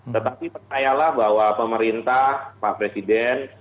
tetapi percayalah bahwa pemerintah pak presiden